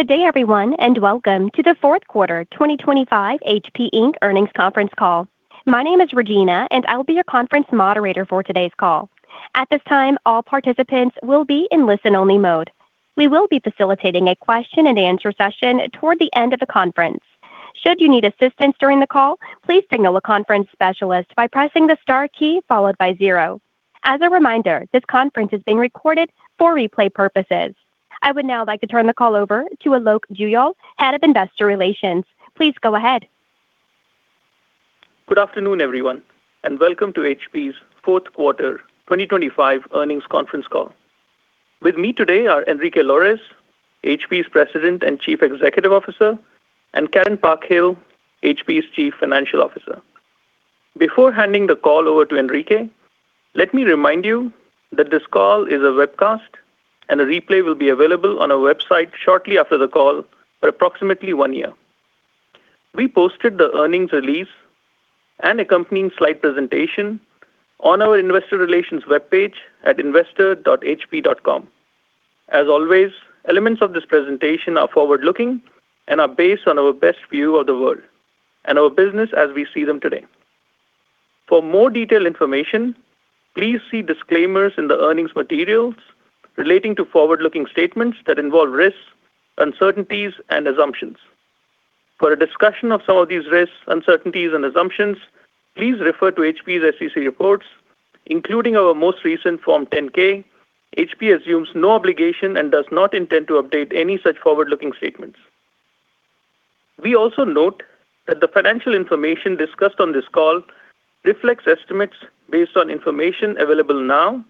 Good day, everyone, and welcome to the Fourth Quarter 2025 HP Inc Earnings Conference Call. My name is Regina, and I will be your conference moderator for today's call. At this time, all participants will be in listen-only mode. We will be facilitating a question-and-answer session toward the end of the conference. Should you need assistance during the call, please signal a conference specialist by pressing the star key followed by zero. As a reminder, this conference is being recorded for replay purposes. I would now like to turn the call over to Alok Juyal, Head of Investor Relations. Please go ahead. Good afternoon, everyone, and welcome to HP's fourth quarter 2025 earnings conference call. With me today are Enrique Lores, HP's President and Chief Executive Officer, and Karen Parkhill, HP's Chief Financial Officer. Before handing the call over to Enrique, let me remind you that this call is a webcast, and a replay will be available on our website shortly after the call for approximately one year. We posted the earnings release and accompanying slide presentation on our investor relations web page at investor.hp.com. As always, elements of this presentation are forward-looking and are based on our best view of the world and our business as we see them today. For more detailed information, please see disclaimers in the earnings materials relating to forward-looking statements that involve risks, uncertainties, and assumptions. For a discussion of some of these risks, uncertainties, and assumptions, please refer to HP's SEC reports, including our most recent Form 10-K. HP assumes no obligation and does not intend to update any such forward-looking statements. We also note that the financial information discussed on this call reflects estimates based on information available now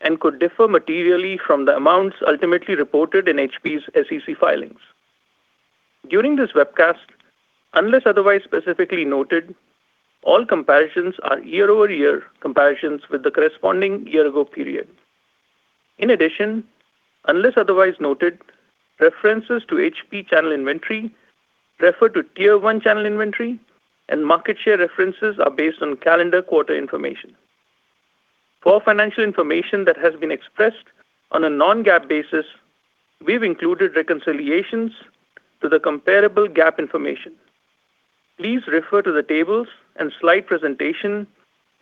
and could differ materially from the amounts ultimately reported in HP's SEC filings. During this webcast, unless otherwise specifically noted, all comparisons are year-over-year comparisons with the corresponding year-ago period. In addition, unless otherwise noted, references to HP channel inventory refer to tier-one channel inventory, and market share references are based on calendar quarter information. For financial information that has been expressed on a non-GAAP basis, we've included reconciliations to the comparable GAAP information. Please refer to the tables and slide presentation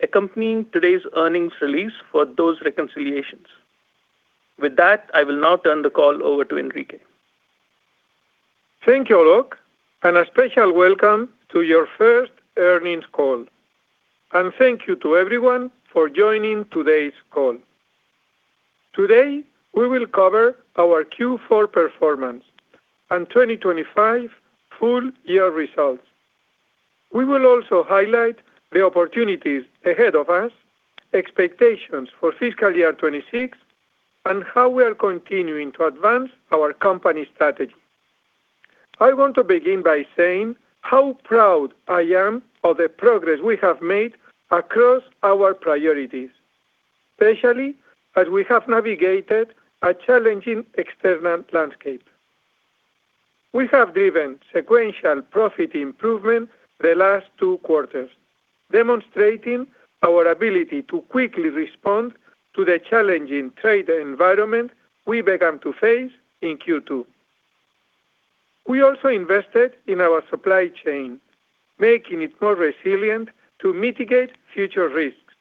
accompanying today's earnings release for those reconciliations. With that, I will now turn the call over to Enrique. Thank you, Alok, and a special welcome to your first earnings call. Thank you to everyone for joining today's call. Today, we will cover our Q4 performance and 2025 full-year results. We will also highlight the opportunities ahead of us, expectations for fiscal year 2026, and how we are continuing to advance our company strategy. I want to begin by saying how proud I am of the progress we have made across our priorities, especially as we have navigated a challenging external landscape. We have driven sequential profit improvement the last two quarters, demonstrating our ability to quickly respond to the challenging trade environment we began to face in Q2. We also invested in our supply chain, making it more resilient to mitigate future risks,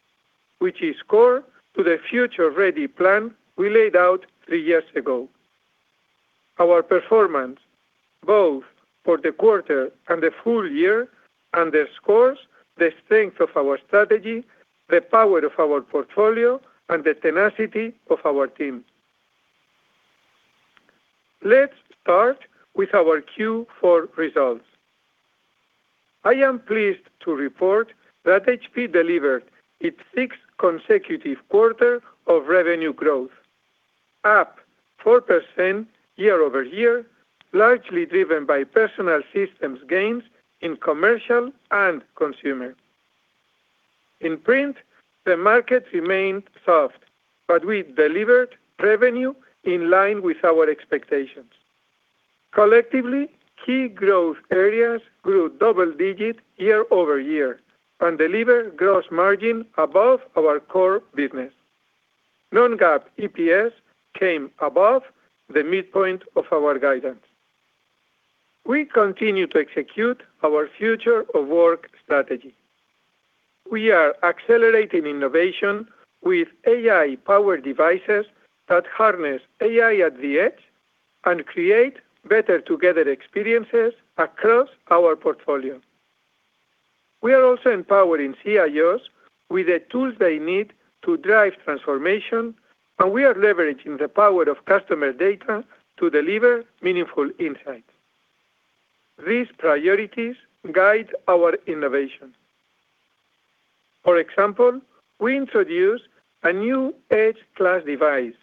which is core to the future-ready plan we laid out three years ago. Our performance, both for the quarter and the full year, underscores the strength of our strategy, the power of our portfolio, and the tenacity of our team. Let's start with our Q4 results. I am pleased to report that HP delivered its sixth consecutive quarter of revenue growth, up 4% year-over-year, largely driven by personal systems gains in commercial and consumer. In print, the market remained soft, but we delivered revenue in line with our expectations. Collectively, key growth areas grew double-digit year-over-year and delivered gross margin above our core business. Non-GAAP EPS came above the midpoint of our guidance. We continue to execute our future-of-work strategy. We are accelerating innovation with AI-powered devices that harness AI at the edge and create better-together experiences across our portfolio. We are also empowering CIOs with the tools they need to drive transformation, and we are leveraging the power of customer data to deliver meaningful insights. These priorities guide our innovation. For example, we introduced a new edge-class device,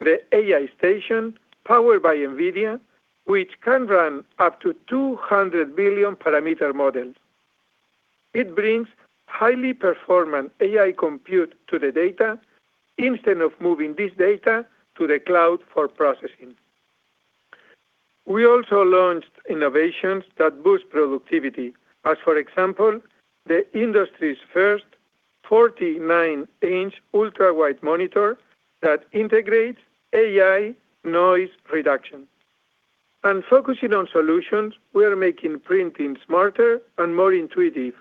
the AI Station, powered by NVIDIA, which can run up to 200 billion parameter models. It brings highly performant AI compute to the data instead of moving this data to the cloud for processing. We also launched innovations that boost productivity, as for example, the industry's first 49-inch ultrawide monitor that integrates AI noise reduction. Focusing on solutions, we are making printing smarter and more intuitive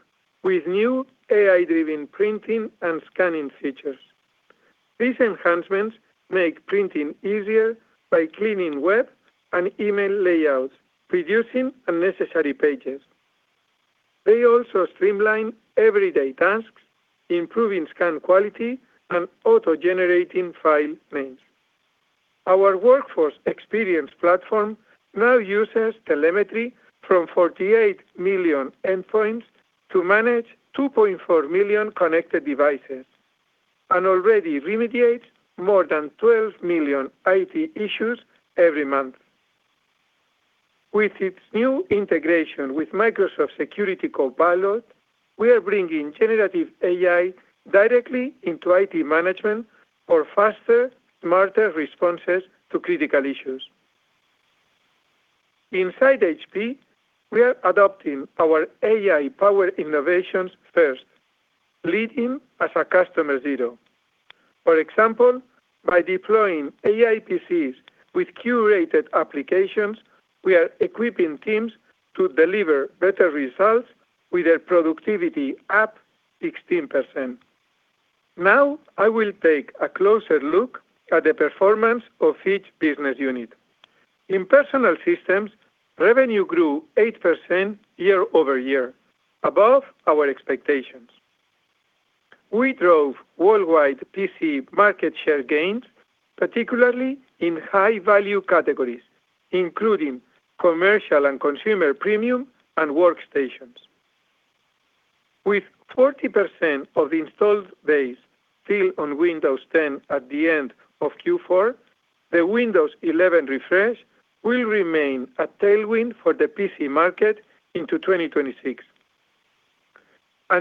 with new AI-driven printing and scanning features. These enhancements make printing easier by cleaning web and email layouts, reducing unnecessary pages. They also streamline everyday tasks, improving scan quality and auto-generating file names. Our workforce experience platform now uses telemetry from 48 million endpoints to manage 2.4 million connected devices and already remediates more than 12 million IT issues every month. With its new integration with Microsoft Security Code Pilot, we are bringing generative AI directly into IT management for faster, smarter responses to critical issues. Inside HP, we are adopting our AI-powered innovations first, leading as a customer zero. For example, by deploying AI PCs with curated applications, we are equipping teams to deliver better results with their productivity up 16%. Now, I will take a closer look at the performance of each business unit. In personal systems, revenue grew 8% year-over-year, above our expectations. We drove worldwide PC market share gains, particularly in high-value categories, including commercial and consumer premium and workstations. With 40% of the installed base still on Windows 10 at the end of Q4, the Windows 11 refresh will remain a tailwind for the PC market into 2026.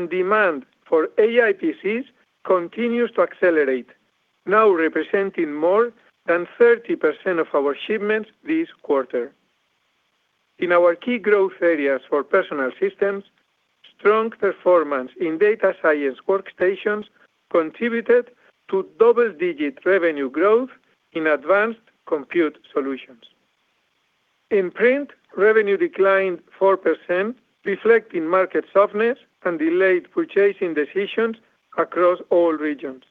Demand for AI PCs continues to accelerate, now representing more than 30% of our shipments this quarter. In our key growth areas for personal systems, strong performance in data science workstations contributed to double-digit revenue growth in advanced compute solutions. In print, revenue declined 4%, reflecting market softness and delayed purchasing decisions across all regions.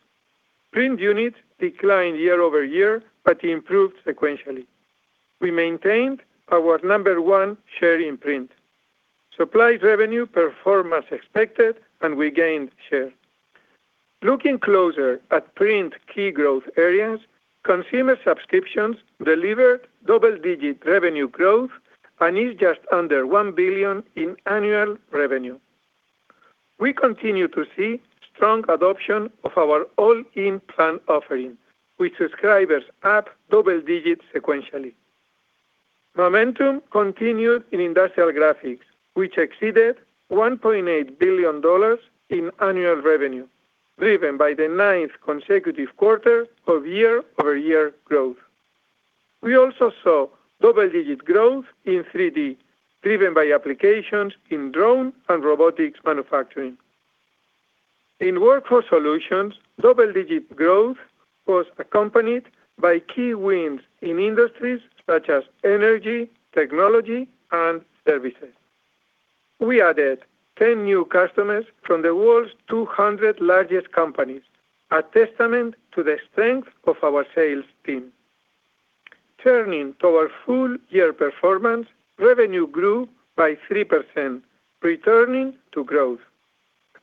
Print units declined year-over-year, but improved sequentially. We maintained our number one share in print. Supply revenue performed as expected, and we gained share. Looking closer at print key growth areas, consumer subscriptions delivered double-digit revenue growth and is just under $1 billion in annual revenue. We continue to see strong adoption of our all-in plan offering, with subscribers up double-digit sequentially. Momentum continued in industrial graphics, which exceeded $1.8 billion in annual revenue, driven by the ninth consecutive quarter of year-over-year growth. We also saw double-digit growth in 3D, driven by applications in drone and robotics manufacturing. In workforce solutions, double-digit growth was accompanied by key wins in industries such as energy, technology, and services. We added 10 new customers from the world's 200 largest companies, a testament to the strength of our sales team. Turning to our full-year performance, revenue grew by 3%, returning to growth.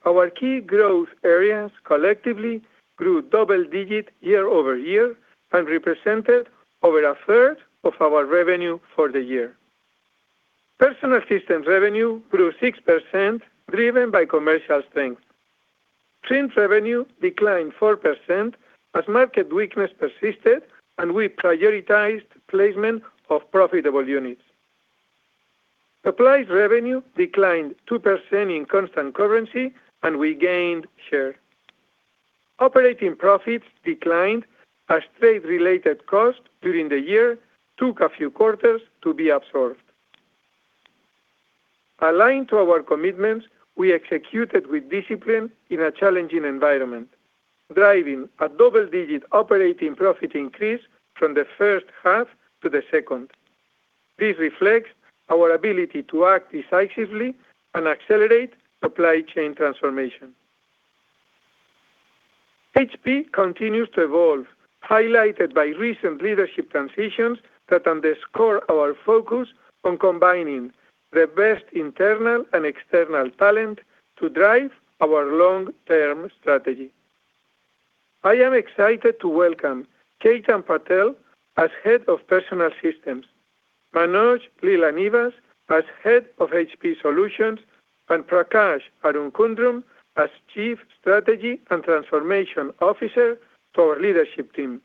Our key growth areas collectively grew double-digit year-over-year and represented over a third of our revenue for the year. Personal systems revenue grew 6%, driven by commercial strength. Print revenue declined 4% as market weakness persisted, and we prioritized placement of profitable units. Supply revenue declined 2% in constant currency, and we gained share. Operating profits declined as trade-related costs during the year took a few quarters to be absorbed. Aligned to our commitments, we executed with discipline in a challenging environment, driving a double-digit operating profit increase from the first half to the second. This reflects our ability to act decisively and accelerate supply chain transformation. HP continues to evolve, highlighted by recent leadership transitions that underscore our focus on combining the best internal and external talent to drive our long-term strategy. I am excited to welcome Ketan Patel as Head of Personal Systems, Manoj Leelanivas as Head of HP Solutions, and Prakash Arunkundrum as Chief Strategy and Transformation Officer to our leadership team.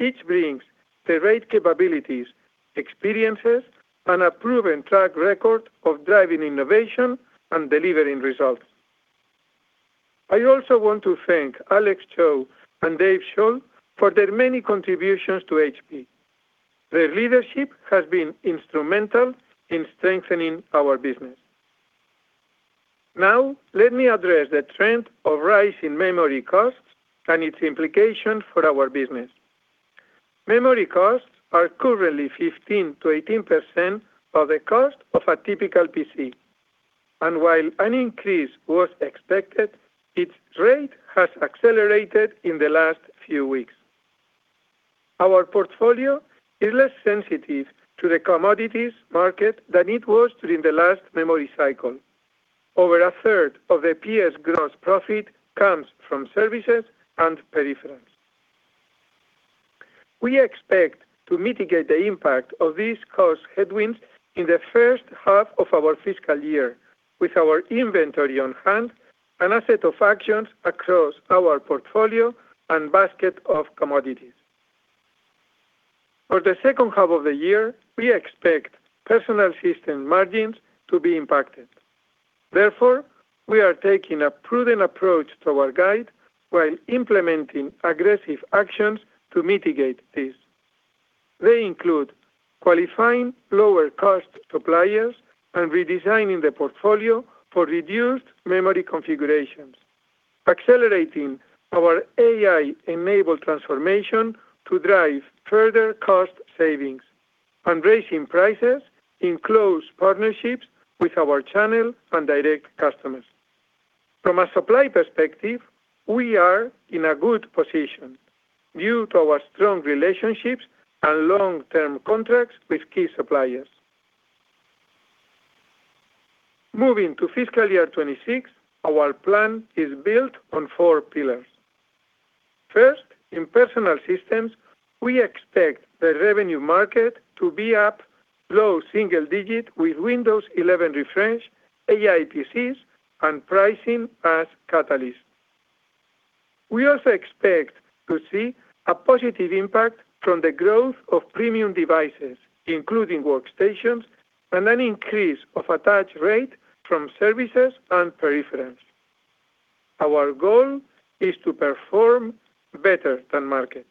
Each brings the right capabilities, experiences, and a proven track record of driving innovation and delivering results. I also want to thank Alex Cho and Dave Shull for their many contributions to HP. Their leadership has been instrumental in strengthening our business. Now, let me address the trend of rising memory costs and its implications for our business. Memory costs are currently 15%-18% of the cost of a typical PC. While an increase was expected, its rate has accelerated in the last few weeks. Our portfolio is less sensitive to the commodities market than it was during the last memory cycle. Over a third of the PS gross profit comes from services and peripherals. We expect to mitigate the impact of these cost headwinds in the first half of our fiscal year, with our inventory on hand and a set of actions across our portfolio and basket of commodities. For the second half of the year, we expect personal system margins to be impacted. Therefore, we are taking a prudent approach to our guide while implementing aggressive actions to mitigate this. They include qualifying lower-cost suppliers and redesigning the portfolio for reduced memory configurations, accelerating our AI-enabled transformation to drive further cost savings, and raising prices in close partnerships with our channel and direct customers. From a supply perspective, we are in a good position due to our strong relationships and long-term contracts with key suppliers. Moving to fiscal year 2026, our plan is built on four pillars. First, in personal systems, we expect the revenue market to be up low single-digit with Windows 11 refresh, AI PCs, and pricing as catalyst. We also expect to see a positive impact from the growth of premium devices, including workstations, and an increase of attached rate from services and peripherals. Our goal is to perform better than market.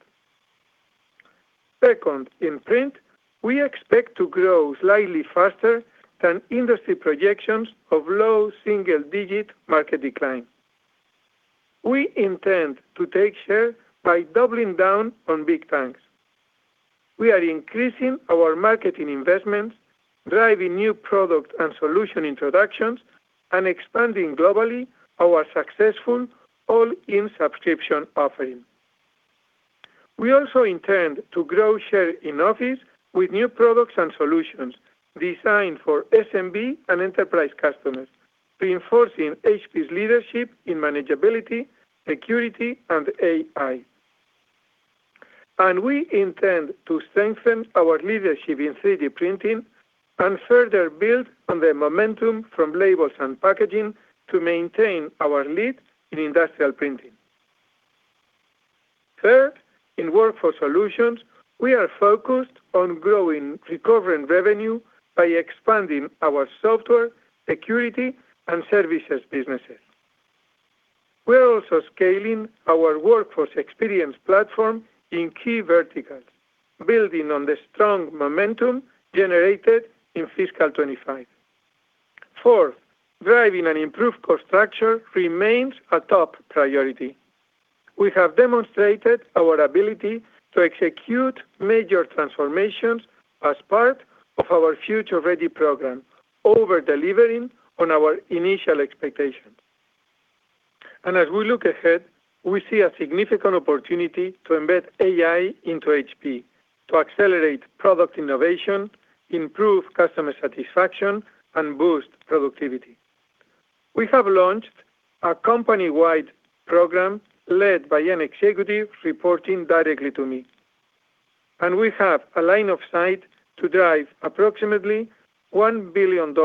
Second, in print, we expect to grow slightly faster than industry projections of low single-digit market decline. We intend to take share by doubling down on Big Tank. We are increasing our marketing investments, driving new product and solution introductions, and expanding globally our successful All-in plan subscription offering. We also intend to grow share in office with new products and solutions designed for SMB and enterprise customers, reinforcing HP's leadership in manageability, security, and AI. We intend to strengthen our leadership in 3D printing and further build on the momentum from labels and packaging to maintain our lead in industrial printing. Third, in workforce solutions, we are focused on growing recovering revenue by expanding our software, security, and services businesses. We are also scaling our Workforce Experience Platform in key verticals, building on the strong momentum generated in fiscal 2025. Fourth, driving an improved cost structure remains a top priority. We have demonstrated our ability to execute major transformations as part of our future-ready program, over-delivering on our initial expectations. As we look ahead, we see a significant opportunity to embed AI into HP to accelerate product innovation, improve customer satisfaction, and boost productivity. We have launched a company-wide program led by an executive reporting directly to me. We have a line of sight to drive approximately $1 billion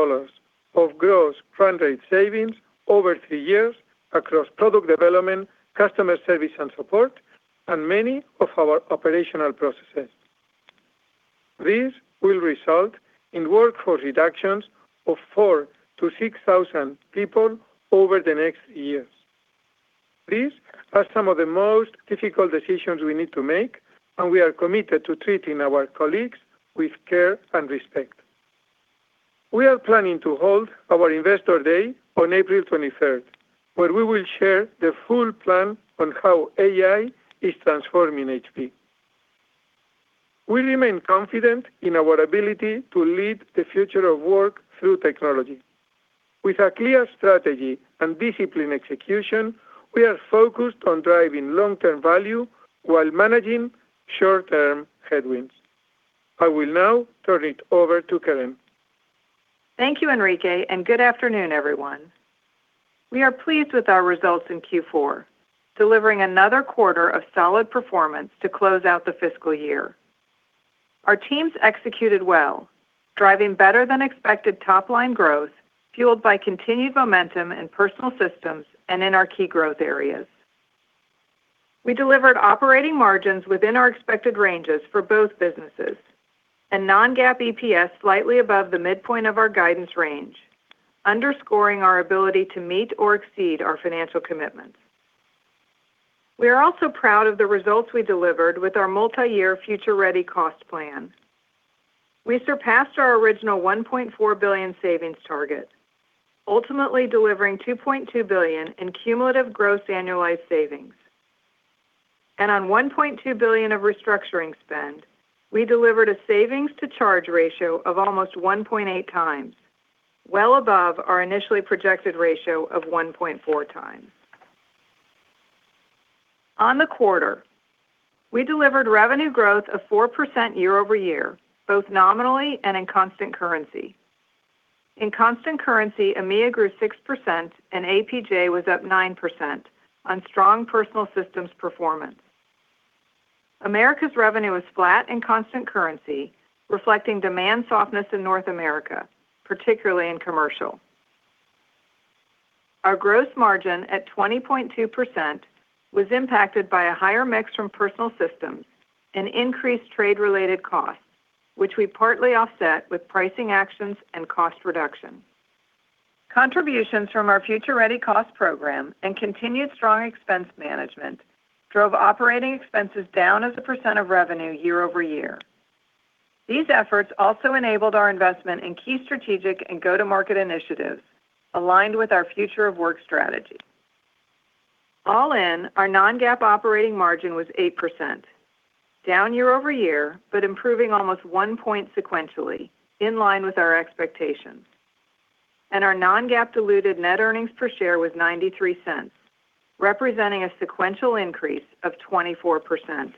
of gross run rate savings over three years across product development, customer service and support, and many of our operational processes. This will result in workforce reductions of 4,000-6,000 people over the next years. These are some of the most difficult decisions we need to make, and we are committed to treating our colleagues with care and respect. We are planning to hold our investor day on April 23rd, where we will share the full plan on how AI is transforming HP. We remain confident in our ability to lead the future of work through technology. With a clear strategy and disciplined execution, we are focused on driving long-term value while managing short-term headwinds. I will now turn it over to Karen. Thank you, Enrique, and good afternoon, everyone. We are pleased with our results in Q4, delivering another quarter of solid performance to close out the fiscal year. Our teams executed well, driving better-than-expected top-line growth fueled by continued momentum in personal systems and in our key growth areas. We delivered operating margins within our expected ranges for both businesses and non-GAAP EPS slightly above the midpoint of our guidance range, underscoring our ability to meet or exceed our financial commitments. We are also proud of the results we delivered with our multi-year future-ready cost plan. We surpassed our original $1.4 billion savings target, ultimately delivering $2.2 billion in cumulative gross annualized savings. On $1.2 billion of restructuring spend, we delivered a savings-to-charge ratio of almost 1.8x, well above our initially projected ratio of 1.4x. On the quarter, we delivered revenue growth of 4% year-over-year, both nominally and in constant currency. In constant currency, EMEA grew 6%, and APJ was up 9% on strong personal systems performance. Americas revenue was flat in constant currency, reflecting demand softness in North America, particularly in commercial. Our gross margin at 20.2% was impacted by a higher mix from personal systems and increased trade-related costs, which we partly offset with pricing actions and cost reduction. Contributions from our future-ready cost program and continued strong expense management drove operating expenses down as a percent of revenue year-over-year. These efforts also enabled our investment in key strategic and go-to-market initiatives aligned with our future-of-work strategy. All in, our non-GAAP operating margin was 8%, down year-over-year, but improving almost one point sequentially, in line with our expectations. Our non-GAAP diluted net earnings per share was $0.93, representing a sequential increase of 24%.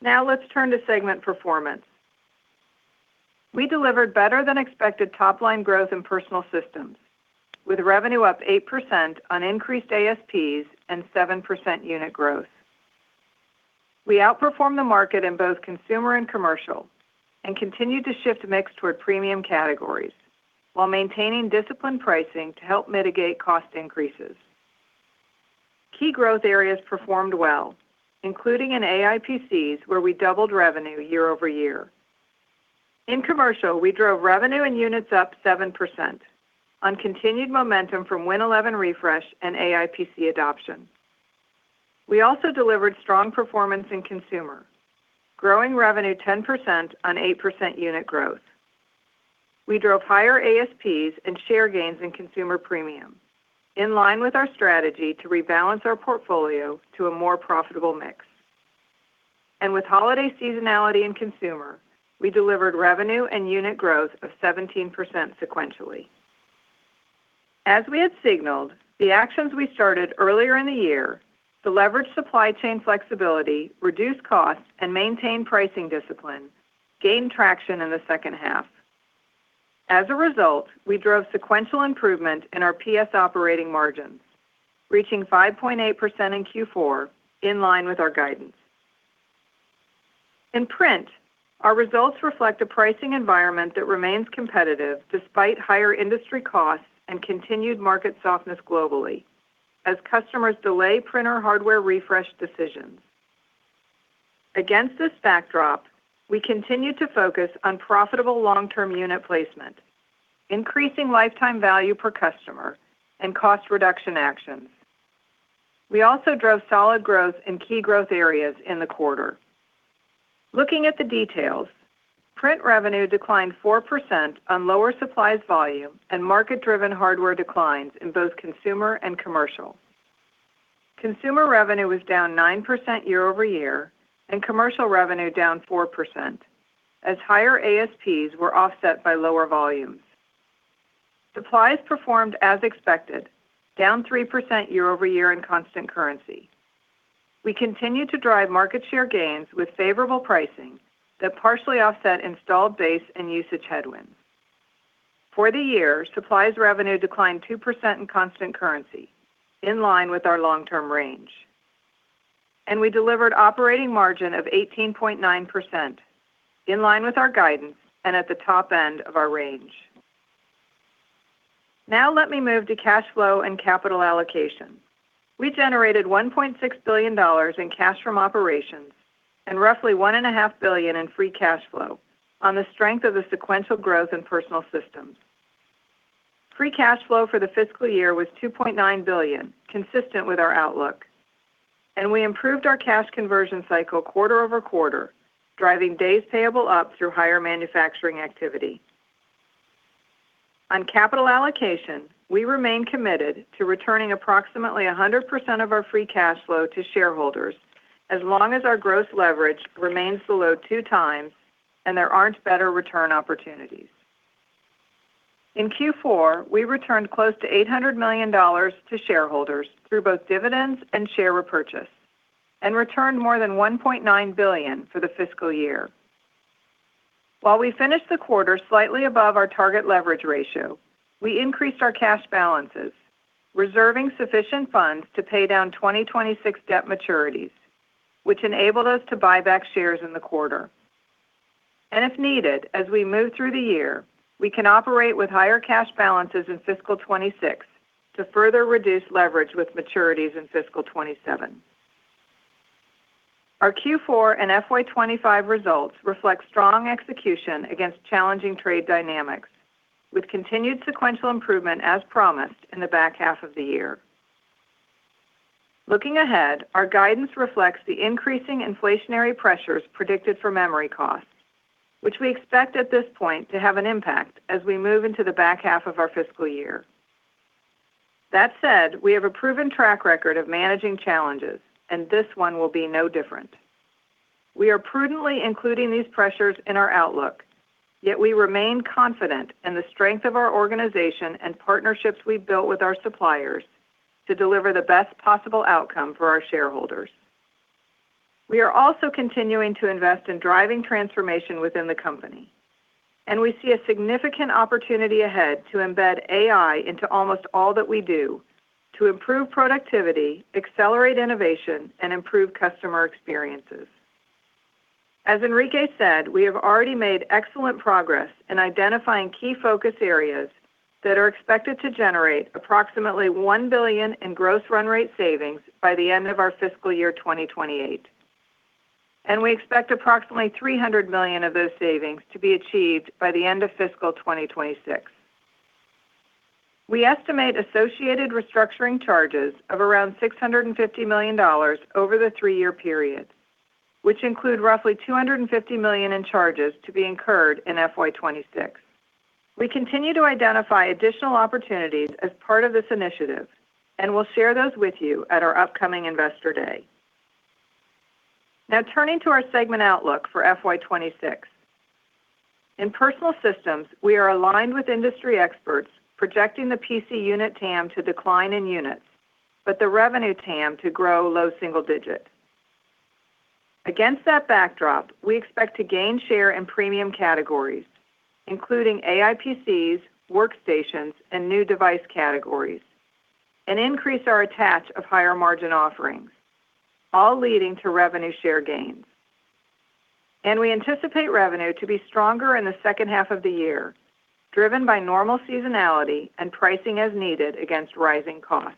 Now let's turn to segment performance. We delivered better-than-expected top-line growth in personal systems, with revenue up 8% on increased ASPs and 7% unit growth. We outperformed the market in both consumer and commercial and continued to shift mix toward premium categories while maintaining disciplined pricing to help mitigate cost increases. Key growth areas performed well, including in AI PCs, where we doubled revenue year-over-year. In commercial, we drove revenue and units up 7% on continued momentum from Win11 refresh and AI PC adoption. We also delivered strong performance in consumer, growing revenue 10% on 8% unit growth. We drove higher ASPs and share gains in consumer premium, in line with our strategy to rebalance our portfolio to a more profitable mix. With holiday seasonality in consumer, we delivered revenue and unit growth of 17% sequentially. As we had signaled, the actions we started earlier in the year to leverage supply chain flexibility, reduce costs, and maintain pricing discipline gained traction in the second half. As a result, we drove sequential improvement in our PS operating margins, reaching 5.8% in Q4, in line with our guidance. In print, our results reflect a pricing environment that remains competitive despite higher industry costs and continued market softness globally as customers delay printer hardware refresh decisions. Against this backdrop, we continue to focus on profitable long-term unit placement, increasing lifetime value per customer, and cost reduction actions. We also drove solid growth in key growth areas in the quarter. Looking at the details, print revenue declined 4% on lower supplies volume and market-driven hardware declines in both consumer and commercial. Consumer revenue was down 9% year-over-year, and commercial revenue down 4% as higher ASPs were offset by lower volumes. Supplies performed as expected, down 3% year-over-year in constant currency. We continue to drive market share gains with favorable pricing that partially offset installed base and usage headwinds. For the year, supplies revenue declined 2% in constant currency, in line with our long-term range. We delivered operating margin of 18.9%, in line with our guidance and at the top end of our range. Now let me move to cash flow and capital allocation. We generated $1.6 billion in cash from operations and roughly $1.5 billion in free cash flow on the strength of the sequential growth in personal systems. Free cash flow for the fiscal year was $2.9 billion, consistent with our outlook. We improved our cash conversion cycle quarter over quarter, driving days payable up through higher manufacturing activity. On capital allocation, we remain committed to returning approximately 100% of our free cash flow to shareholders as long as our gross leverage remains below 2x and there aren't better return opportunities. In Q4, we returned close to $800 million to shareholders through both dividends and share repurchase and returned more than $1.9 billion for the fiscal year. While we finished the quarter slightly above our target leverage ratio, we increased our cash balances, reserving sufficient funds to pay down 2026 debt maturities, which enabled us to buy back shares in the quarter. If needed, as we move through the year, we can operate with higher cash balances in fiscal 2026 to further reduce leverage with maturities in fiscal 2027. Our Q4 and FY 2025 results reflect strong execution against challenging trade dynamics, with continued sequential improvement as promised in the back half of the year. Looking ahead, our guidance reflects the increasing inflationary pressures predicted for memory costs, which we expect at this point to have an impact as we move into the back half of our fiscal year. That said, we have a proven track record of managing challenges, and this one will be no different. We are prudently including these pressures in our outlook, yet we remain confident in the strength of our organization and partnerships we built with our suppliers to deliver the best possible outcome for our shareholders. We are also continuing to invest in driving transformation within the company, and we see a significant opportunity ahead to embed AI into almost all that we do to improve productivity, accelerate innovation, and improve customer experiences. As Enrique said, we have already made excellent progress in identifying key focus areas that are expected to generate approximately $1 billion in gross run rate savings by the end of our fiscal year 2028. We expect approximately $300 million of those savings to be achieved by the end of fiscal 2026. We estimate associated restructuring charges of around $650 million over the three-year period, which include roughly $250 million in charges to be incurred in FY 2026. We continue to identify additional opportunities as part of this initiative and will share those with you at our upcoming investor day. Now turning to our segment outlook for FY 2026. In personal systems, we are aligned with industry experts projecting the PC unit TAM to decline in units, but the revenue TAM to grow low single digit. Against that backdrop, we expect to gain share in premium categories, including AI PCs, workstations, and new device categories, and increase our attach of higher margin offerings, all leading to revenue share gains. We anticipate revenue to be stronger in the second half of the year, driven by normal seasonality and pricing as needed against rising costs.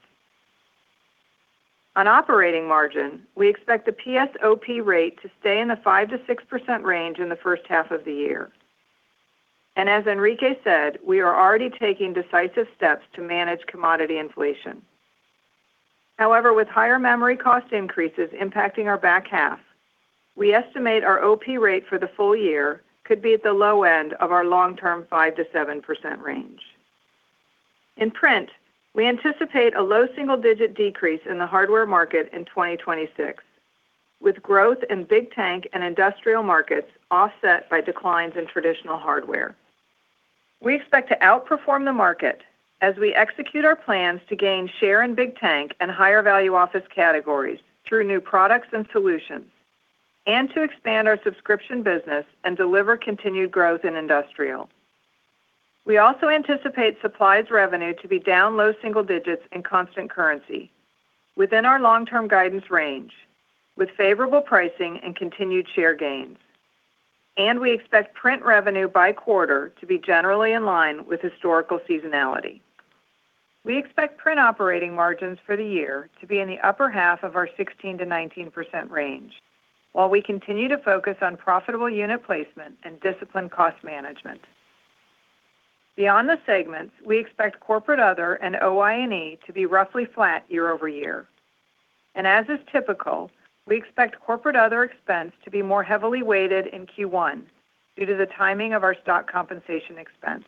On operating margin, we expect the PS OP rate to stay in the 5%-6% range in the first half of the year. As Enrique said, we are already taking decisive steps to manage commodity inflation. However, with higher memory cost increases impacting our back half, we estimate our OP rate for the full year could be at the low end of our long-term 5%-7% range. In print, we anticipate a low single-digit decrease in the hardware market in 2026, with growth in Big Tank and industrial markets offset by declines in traditional hardware. We expect to outperform the market as we execute our plans to gain share in Big Tank and higher value office categories through new products and solutions, and to expand our subscription business and deliver continued growth in industrial. We also anticipate supplies revenue to be down low single digits in constant currency within our long-term guidance range, with favorable pricing and continued share gains. We expect print revenue by quarter to be generally in line with historical seasonality. We expect print operating margins for the year to be in the upper half of our 16%-19% range, while we continue to focus on profitable unit placement and disciplined cost management. Beyond the segments, we expect corporate other and OI&E to be roughly flat year-over-year. As is typical, we expect corporate other expense to be more heavily weighted in Q1 due to the timing of our stock compensation expense.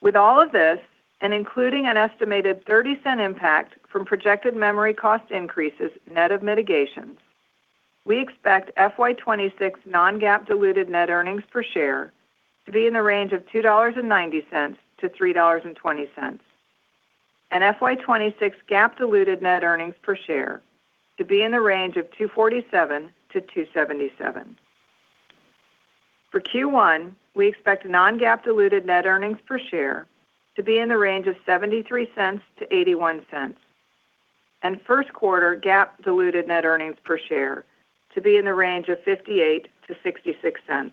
With all of this, and including an estimated $0.30 impact from projected memory cost increases net of mitigations, we expect FY 2026 non-GAAP diluted net earnings per share to be in the range of $2.90-$3.20, and FY 2026 GAAP diluted net earnings per share to be in the range of $2.47-$2.77. For Q1, we expect non-GAAP diluted net earnings per share to be in the range of $0.73-$0.81, and first quarter GAAP diluted net earnings per share to be in the range of $0.58-$0.66.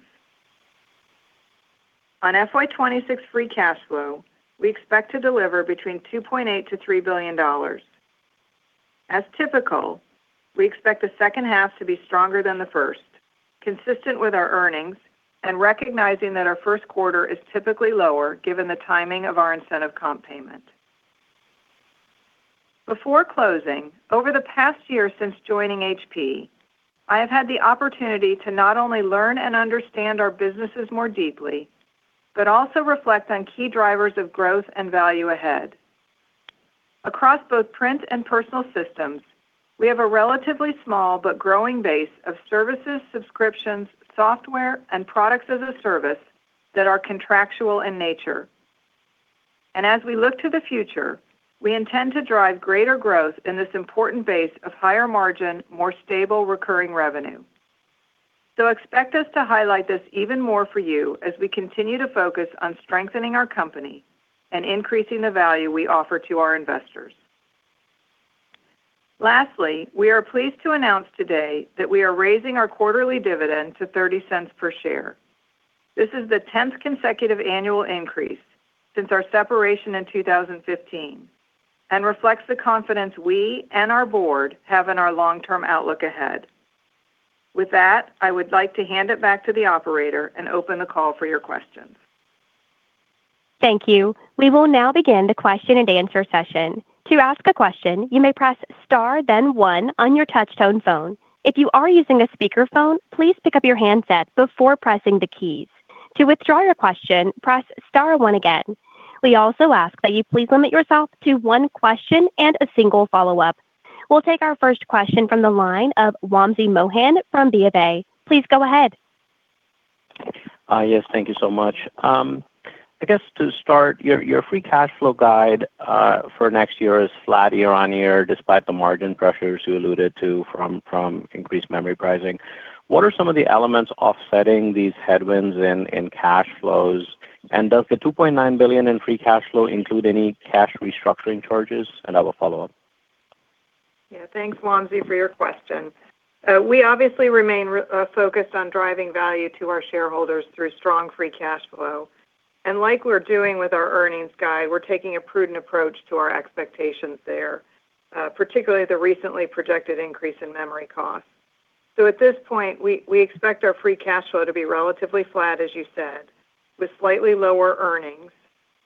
On FY 2026 free cash flow, we expect to deliver between $2.8 billion-$3 billion. As typical, we expect the second half to be stronger than the first, consistent with our earnings and recognizing that our first quarter is typically lower given the timing of our incentive comp payment. Before closing, over the past year since joining HP, I have had the opportunity to not only learn and understand our businesses more deeply, but also reflect on key drivers of growth and value ahead. Across both print and personal systems, we have a relatively small but growing base of services, subscriptions, software, and products as a service that are contractual in nature. As we look to the future, we intend to drive greater growth in this important base of higher margin, more stable recurring revenue. Expect us to highlight this even more for you as we continue to focus on strengthening our company and increasing the value we offer to our investors. Lastly, we are pleased to announce today that we are raising our quarterly dividend to $0.30 per share. This is the 10th consecutive annual increase since our separation in 2015 and reflects the confidence we and our board have in our long-term outlook ahead. With that, I would like to hand it back to the operator and open the call for your questions. Thank you. We will now begin the question and answer session. To ask a question, you may press star, then one on your touchtone phone. If you are using a speakerphone, please pick up your handset before pressing the keys. To withdraw your question, press star one again. We also ask that you please limit yourself to one question and a single follow-up. We'll take our first question from the line of Wamsi Mohan from BofA. Please go ahead. Yes, thank you so much. I guess to start, your free cash flow guide for next year is flat year on year despite the margin pressures you alluded to from increased memory pricing. What are some of the elements offsetting these headwinds in cash flows? Does the $2.9 billion in free cash flow include any cash restructuring charges? I will follow up. Yeah, thanks, Wamsi, for your question. We obviously remain focused on driving value to our shareholders through strong free cash flow. Like we're doing with our earnings guide, we're taking a prudent approach to our expectations there, particularly the recently projected increase in memory costs. At this point, we expect our free cash flow to be relatively flat, as you said, with slightly lower earnings.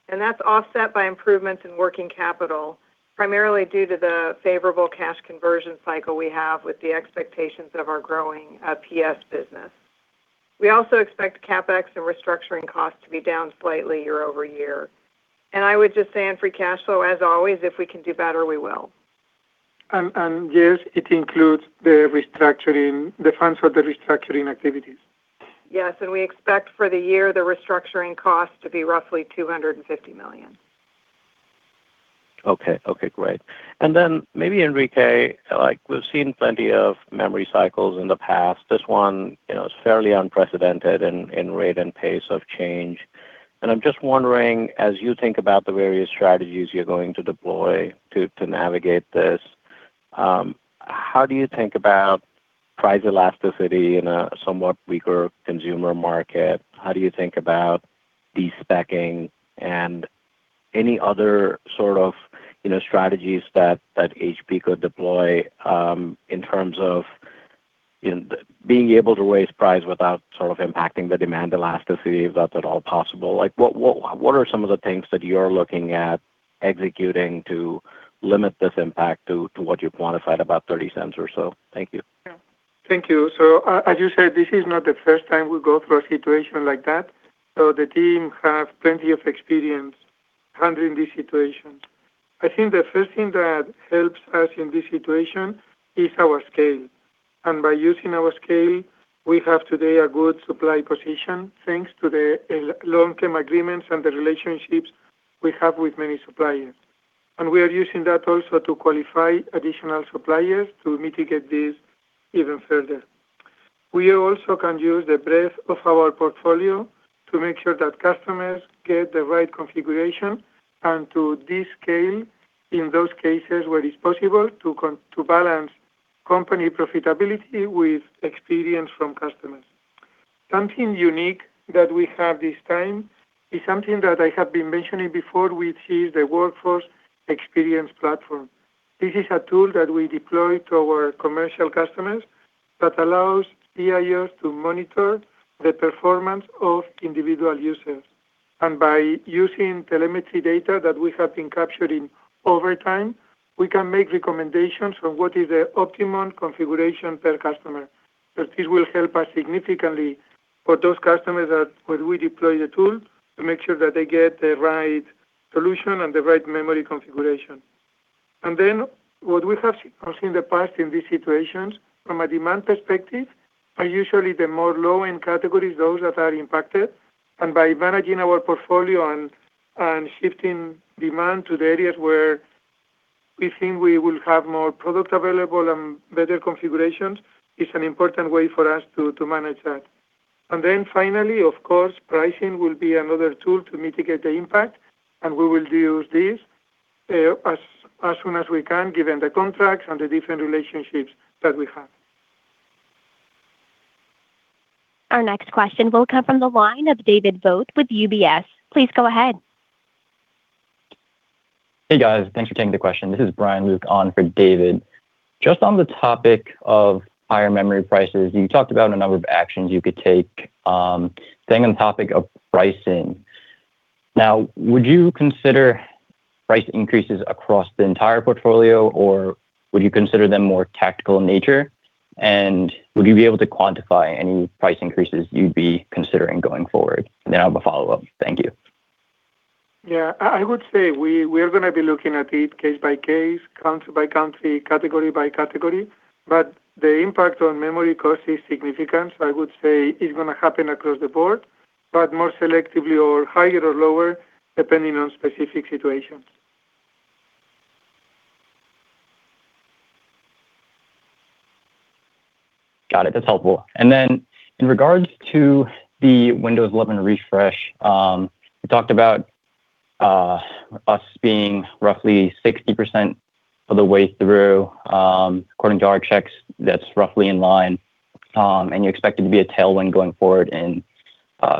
That is offset by improvements in working capital, primarily due to the favorable cash conversion cycle we have with the expectations of our growing PS business. We also expect CapEx and restructuring costs to be down slightly year over year. I would just say in free cash flow, as always, if we can do better, we will. Yes, it includes the restructuring, the funds for the restructuring activities. Yes, we expect for the year the restructuring costs to be roughly $250 million. Okay, great. Maybe, Enrique, we've seen plenty of memory cycles in the past. This one is fairly unprecedented in rate and pace of change. I'm just wondering, as you think about the various strategies you're going to deploy to navigate this, how do you think about price elasticity in a somewhat weaker consumer market? How do you think about despecking and any other sort of strategies that HP could deploy in terms of being able to raise price without sort of impacting the demand elasticity, if that's at all possible? What are some of the things that you're looking at executing to limit this impact to what you quantified about $0.30 or so? Thank you. Thank you. As you said, this is not the first time we go through a situation like that. The team has plenty of experience handling these situations. I think the first thing that helps us in this situation is our scale. By using our scale, we have today a good supply position thanks to the long-term agreements and the relationships we have with many suppliers. We are using that also to qualify additional suppliers to mitigate this even further. We also can use the breadth of our portfolio to make sure that customers get the right configuration and to descale in those cases where it's possible to balance company profitability with experience from customers. Something unique that we have this time is something that I have been mentioning before, which is the workforce experience platform. This is a tool that we deploy to our commercial customers that allows CIOs to monitor the performance of individual users. By using telemetry data that we have been capturing over time, we can make recommendations on what is the optimum configuration per customer. This will help us significantly for those customers that, when we deploy the tool, to make sure that they get the right solution and the right memory configuration. What we have seen in the past in these situations, from a demand perspective, are usually the more low-end categories, those that are impacted. By managing our portfolio and shifting demand to the areas where we think we will have more product available and better configurations, it's an important way for us to manage that. Finally, of course, pricing will be another tool to mitigate the impact, and we will use this as soon as we can, given the contracts and the different relationships that we have. Our next question will come from the line of David Vogt with UBS. Please go ahead. Hey, guys. Thanks for taking the question. This is Brian Luke on for David. Just on the topic of higher memory prices, you talked about a number of actions you could take staying on the topic of pricing. Now, would you consider price increases across the entire portfolio, or would you consider them more tactical in nature? Would you be able to quantify any price increases you'd be considering going forward? I have a follow-up. Thank you. I would say we are going to be looking at it case by case, country by country, category by category. The impact on memory cost is significant. I would say it's going to happen across the board, but more selectively or higher or lower depending on specific situations. Got it. That's helpful. In regards to the Windows 11 refresh, you talked about us being roughly 60% of the way through. According to our checks, that's roughly in line. You expect it to be a tailwind going forward in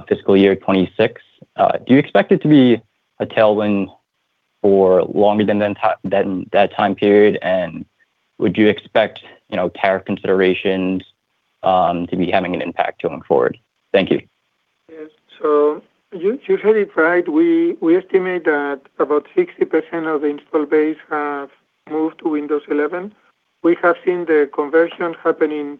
fiscal year 2026. Do you expect it to be a tailwind for longer than that time period? Would you expect tariff considerations to be having an impact going forward? Thank you. Yes, you're very right. We estimate that about 60% of the install base have moved to Windows 11. We have seen the conversion happening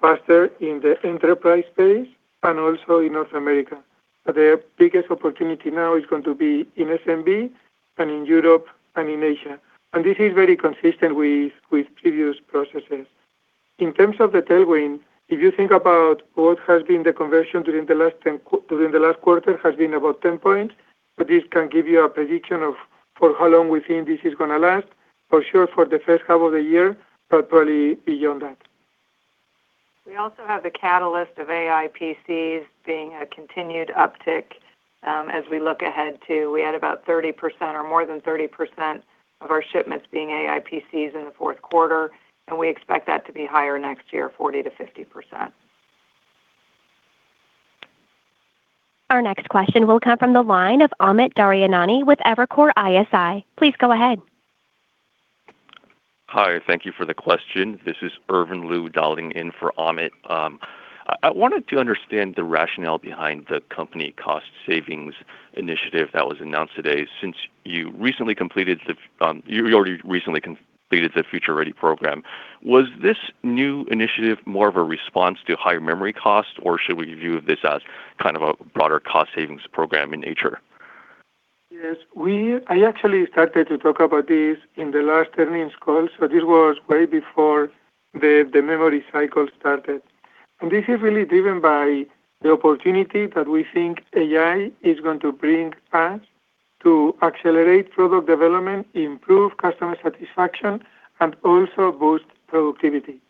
faster in the enterprise space and also in North America. The biggest opportunity now is going to be in SMB and in Europe and in Asia. This is very consistent with previous processes. In terms of the tailwind, if you think about what has been the conversion during the last quarter, it has been about 10 points. This can give you a prediction of how long we think this is going to last, for sure, for the first half of the year, but probably beyond that. We also have the catalyst of AI PCs being a continued uptick as we look ahead too. We had about 30% or more than 30% of our shipments being AI PCs in the fourth quarter. We expect that to be higher next year, 40%-50%. Our next question will come from the line of Amit Daryanani with Evercore ISI. Please go ahead. Hi. Thank you for the question. This is Irvin Liu dialing in for Amit. I wanted to understand the rationale behind the company cost savings initiative that was announced today. Since you recently completed the—you already recently completed the Future Ready program. Was this new initiative more of a response to higher memory costs, or should we view this as kind of a broader cost savings program in nature? Yes. I actually started to talk about this in the last earnings call. This was way before the memory cycle started. This is really driven by the opportunity that we think AI is going to bring us to accelerate product development, improve customer satisfaction, and also boost productivity.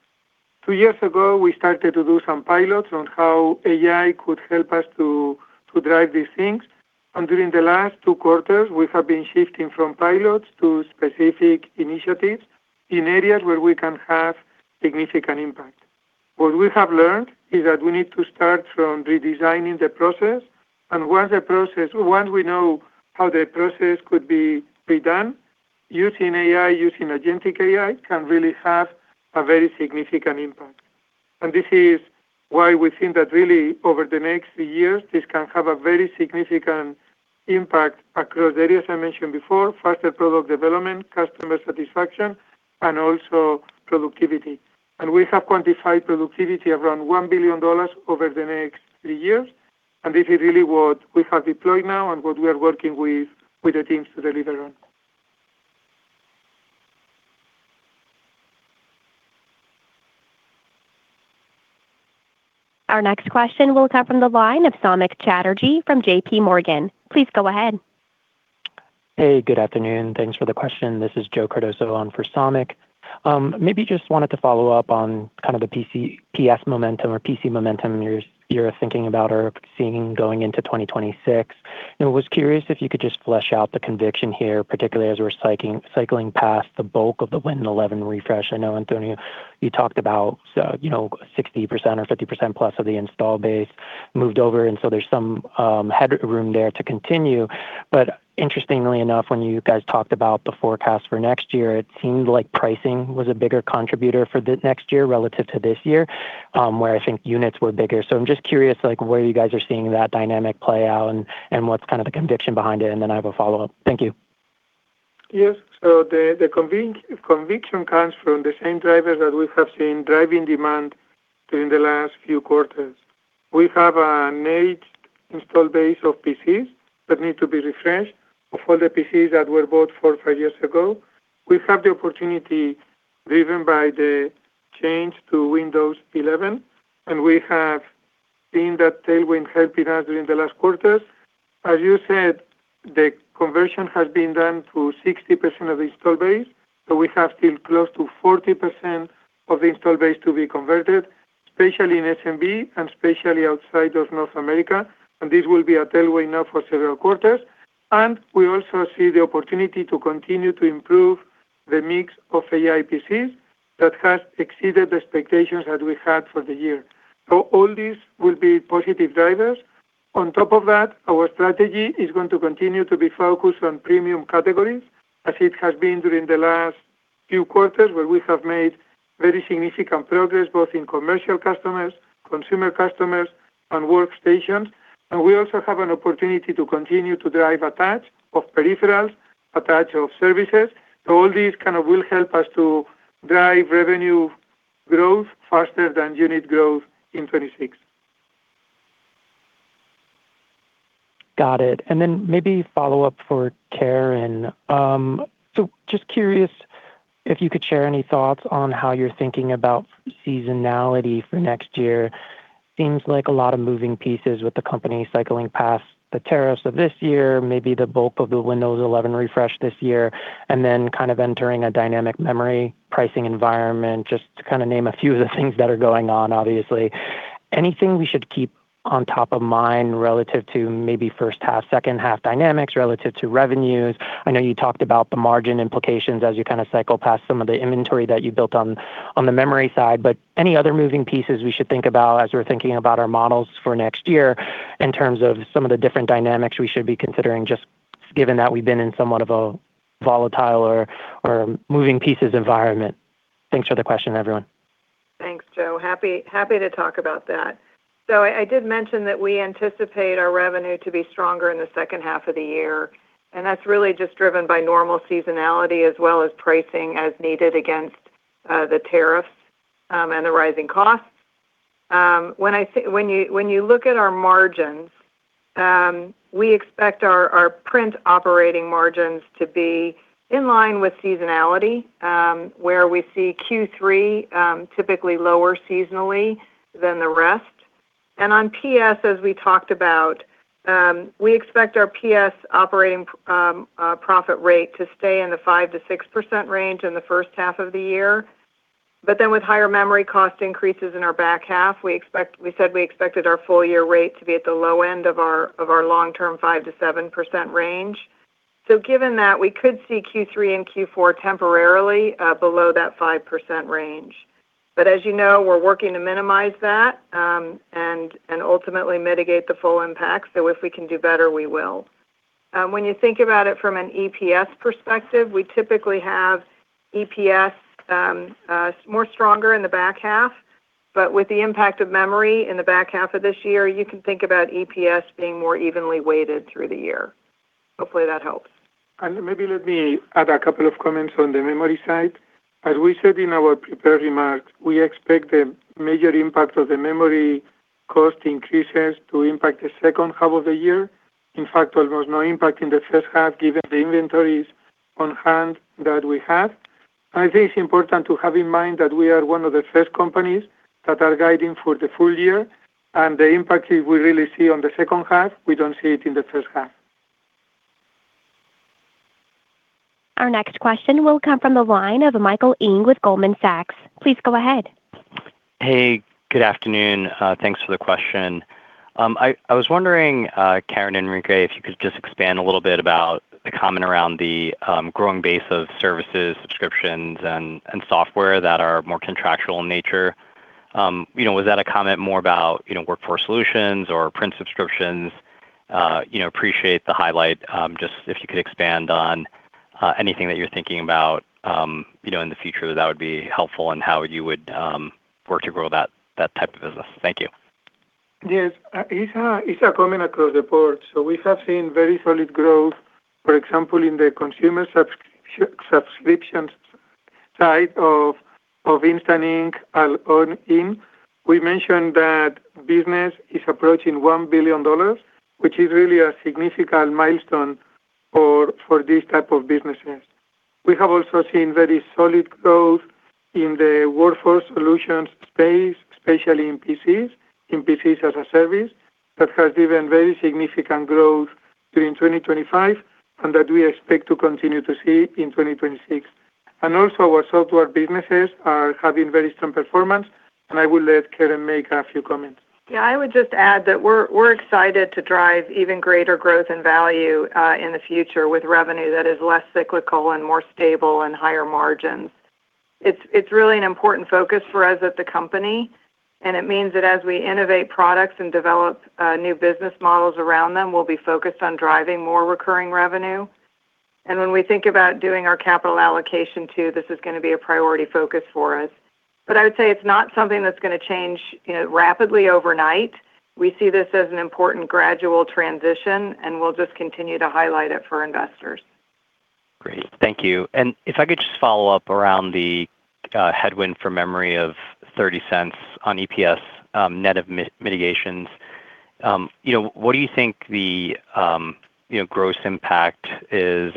Two years ago, we started to do some pilots on how AI could help us to drive these things. During the last two quarters, we have been shifting from pilots to specific initiatives in areas where we can have significant impact. What we have learned is that we need to start from redesigning the process. Once we know how the process could be redone, using AI, using agentic AI can really have a very significant impact. This is why we think that really, over the next years, this can have a very significant impact across areas I mentioned before: faster product development, customer satisfaction, and also productivity. We have quantified productivity around $1 billion over the next three years. This is really what we have deployed now and what we are working with the teams to deliver on. Our next question will come from the line of Samik Chatterjee from J.P. Morgan. Please go ahead. Hey, good afternoon. Thanks for the question. This is Joe Cardoso on for Samik. Maybe just wanted to follow up on kind of the PS momentum or PC momentum you're thinking about or seeing going into 2026. I was curious if you could just flesh out the conviction here, particularly as we're cycling past the bulk of the Windows 11 refresh. I know, Antonio, you talked about 60% or 50%+ of the install base moved over. There's some headroom there to continue. Interestingly enough, when you guys talked about the forecast for next year, it seemed like pricing was a bigger contributor for next year relative to this year, where I think units were bigger. I'm just curious where you guys are seeing that dynamic play out and what's kind of the conviction behind it. I have a follow-up. Thank you. Yes. The conviction comes from the same drivers that we have seen driving demand during the last few quarters. We have an aged install base of PCs that need to be refreshed of all the PCs that were bought four or five years ago. We have the opportunity driven by the change to Windows 11. We have seen that tailwind helping us during the last quarters. As you said, the conversion has been done to 60% of the install base. We have still close to 40% of the install base to be converted, especially in SMB and especially outside of North America. This will be a tailwind now for several quarters. We also see the opportunity to continue to improve the mix of AI PCs that has exceeded the expectations that we had for the year. All these will be positive drivers. On top of that, our strategy is going to continue to be focused on premium categories, as it has been during the last few quarters, where we have made very significant progress both in commercial customers, consumer customers, and workstations. We also have an opportunity to continue to drive a touch of peripherals, a touch of services. All these kind of will help us to drive revenue growth faster than unit growth in 2026. Got it. Maybe follow-up for Karen. Just curious if you could share any thoughts on how you're thinking about seasonality for next year. Seems like a lot of moving pieces with the company cycling past the tariffs of this year, maybe the bulk of the Windows 11 refresh this year, and then kind of entering a dynamic memory pricing environment, just to kind of name a few of the things that are going on, obviously. Anything we should keep on top of mind relative to maybe first half, second half dynamics relative to revenues? I know you talked about the margin implications as you kind of cycle past some of the inventory that you built on the memory side. Any other moving pieces we should think about as we're thinking about our models for next year in terms of some of the different dynamics we should be considering, just given that we've been in somewhat of a volatile or moving pieces environment? Thanks for the question, everyone. Thanks, Joe. Happy to talk about that. I did mention that we anticipate our revenue to be stronger in the second half of the year. That's really just driven by normal seasonality as well as pricing as needed against the tariffs and the rising costs. When you look at our margins, we expect our print operating margins to be in line with seasonality, where we see Q3 typically lower seasonally than the rest. On PS, as we talked about, we expect our PS operating profit rate to stay in the 5%-6% range in the first half of the year. With higher memory cost increases in our back half, we said we expected our full-year rate to be at the low end of our long-term 5%-7% range. Given that, we could see Q3 and Q4 temporarily below that 5% range. As you know, we're working to minimize that and ultimately mitigate the full impact. If we can do better, we will. When you think about it from an EPS perspective, we typically have EPS more stronger in the back half. With the impact of memory in the back half of this year, you can think about EPS being more evenly weighted through the year. Hopefully, that helps. Maybe let me add a couple of comments on the memory side. As we said in our prepared remarks, we expect the major impact of the memory cost increases to impact the second half of the year. In fact, almost no impact in the first half, given the inventories on hand that we have. I think it's important to have in mind that we are one of the first companies that are guiding for the full year. The impact we really see on the second half, we do not see it in the first half. Our next question will come from the line of Michael Ng with Goldman Sachs. Please go ahead. Hey, good afternoon. Thanks for the question. I was wondering, Karen and Enrique, if you could just expand a little bit about the comment around the growing base of services, subscriptions, and software that are more contractual in nature. Was that a comment more about workforce solutions or print subscriptions? Appreciate the highlight. Just if you could expand on anything that you are thinking about in the future, that would be helpful in how you would work to grow that type of business. Thank you. Yes. It is a comment across the board. We have seen very solid growth, for example, in the consumer subscriptions side of Instant Ink and Ng. We mentioned that business is approaching $1 billion, which is really a significant milestone for these types of businesses. We have also seen very solid growth in the workforce solutions space, especially in PCs, in PCs as a service, that has driven very significant growth during 2025 and that we expect to continue to see in 2026. Our software businesses are having very strong performance. I will let Karen make a few comments. Yeah, I would just add that we're excited to drive even greater growth and value in the future with revenue that is less cyclical and more stable and higher margins. It's really an important focus for us at the company. It means that as we innovate products and develop new business models around them, we'll be focused on driving more recurring revenue. When we think about doing our capital allocation too, this is going to be a priority focus for us. I would say it's not something that's going to change rapidly overnight. We see this as an important gradual transition, and we'll just continue to highlight it for investors. Great. Thank you. If I could just follow up around the headwind for memory of $0.30 on EPS net of mitigations, what do you think the gross impact is?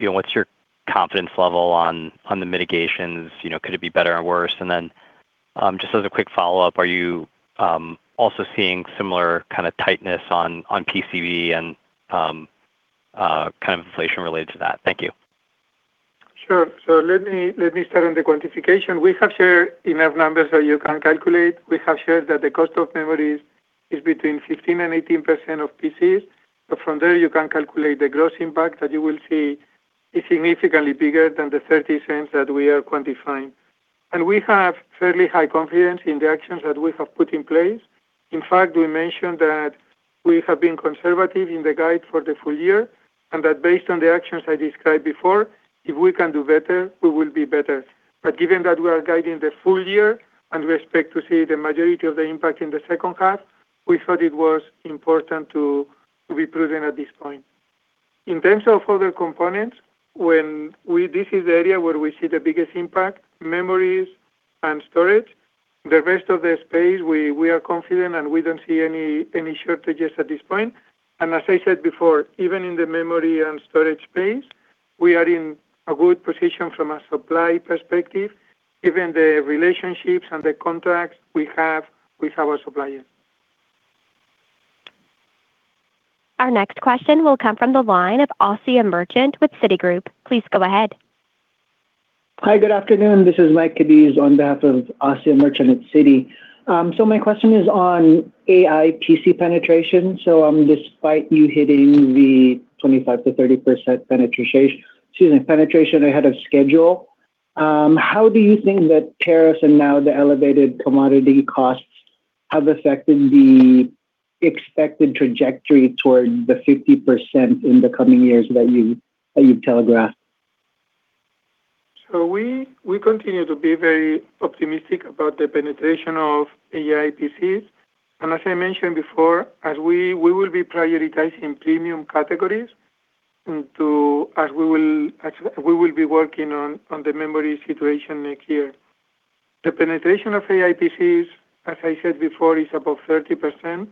What's your confidence level on the mitigations? Could it be better or worse? Just as a quick follow-up, are you also seeing similar kind of tightness on PCB and kind of inflation related to that? Thank you. Sure. Let me start on the quantification. We have shared enough numbers that you can calculate. We have shared that the cost of memory is between 15% and 18% of PCs. From there, you can calculate the gross impact that you will see is significantly bigger than the $0.30 that we are quantifying. We have fairly high confidence in the actions that we have put in place. In fact, we mentioned that we have been conservative in the guide for the full year and that based on the actions I described before, if we can do better, we will be better. Given that we are guiding the full year and we expect to see the majority of the impact in the second half, we thought it was important to be prudent at this point. In terms of other components, this is the area where we see the biggest impact: memories and storage. The rest of the space, we are confident and we do not see any shortages at this point. As I said before, even in the memory and storage space, we are in a good position from a supply perspective, given the relationships and the contracts we have with our suppliers. Our next question will come from the line of Asiya Merchant with Citigroup. Please go ahead. Hi, good afternoon. This is Mike Cadiz on behalf of Asiya Merchant at Citi. My question is on AI PC penetration. Despite you hitting the 25%-30% penetration ahead of schedule, how do you think that tariffs and now the elevated commodity costs have affected the expected trajectory toward the 50% in the coming years that you have telegraphed? We continue to be very optimistic about the penetration of AI PCs. As I mentioned before, we will be prioritizing premium categories as we will be working on the memory situation next year. The penetration of AI PCs, as I said before, is above 30%